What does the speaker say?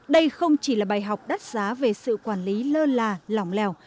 đây không chỉ là bài học đắt giá về sự quản lý lơ là lỏng lèo